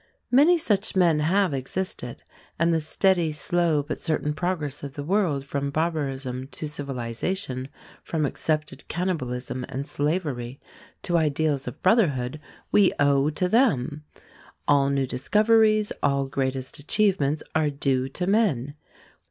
Many such men have existed, and the steady, slow, but certain progress of the world from barbarism to civilization, from accepted cannibalism and slavery to ideals of brotherhood, we owe to them. All new discoveries, all greatest achievements are due to men.